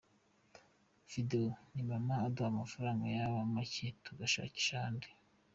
Video ni mama uduha amafaranga yaba make tugashakisha ahandi.